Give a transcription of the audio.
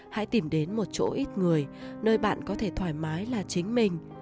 hãy tìm đến một chỗ ít người nơi bạn có thể thoải mái là chính mình